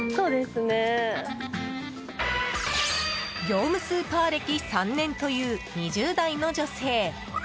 業務スーパー歴３年という２０代の女性。